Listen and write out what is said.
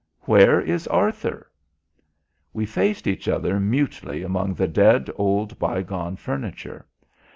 "Where is Arthur?" We faced each other mutely among the dead old bygone furniture.